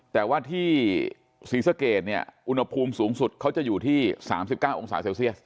แต่ว่าที่ศรีสะเกดเนี่ยอุณหภูมิสูงสุดเขาจะอยู่ที่๓๙องศาเซลเซียส